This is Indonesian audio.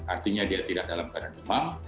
artinya dia tidak dalam keadaan demam